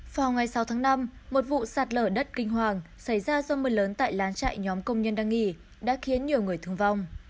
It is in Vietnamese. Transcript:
vào ngày sáu tháng năm một vụ sạt lở đất kinh hoàng xảy ra do mưa lớn tại lán chạy nhóm công nhân đang nghỉ đã khiến nhiều người thương vong